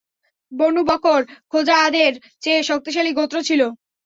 বনু Bakr খোজাআদের চেয়ে শক্তিশালী গোত্র ছিল।